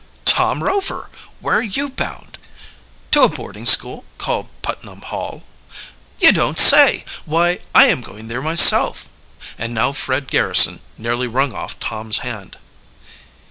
"Tom Rover! Where are you bound?" "To a boarding school called Putnam Hall." "You don't say! Why, I am going there myself," and now Fred Garrison nearly wrung off Tom's hand.